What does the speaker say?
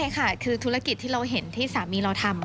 ใช่ค่ะคือธุรกิจที่เราเห็นที่สามีเราทำ